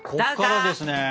こっからですね！